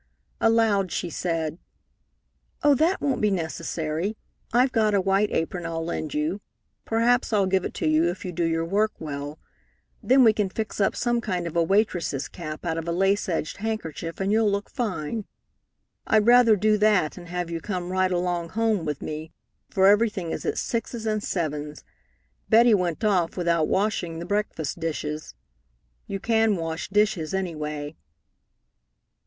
Aloud she said: "Oh, that won't be necessary. I've got a white apron I'll lend you perhaps I'll give it to you if you do your work well. Then we can fix up some kind of a waitress's cap out of a lace edged handkerchief, and you'll look fine. I'd rather do that and have you come right along home with me, for everything is at sixes at sevens. Betty went off without washing the breakfast dishes. You can wash dishes, any way."